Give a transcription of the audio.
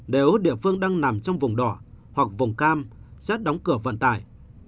nếu địa phương đang nằm trong vùng đỏ hoặc vùng cam sẽ đóng cửa vận tải